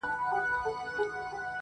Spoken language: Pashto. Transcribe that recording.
هم غریب دی هم رنځور دی هم ډنګر دی!.